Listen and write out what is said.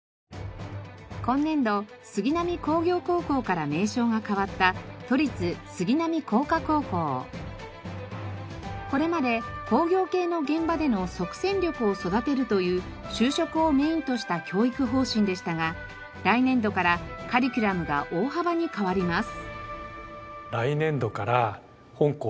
今年度杉並工業高校から名称が変わったこれまで工業系の現場での即戦力を育てるという就職をメインとした教育方針でしたが来年度からカリキュラムが大幅に変わります。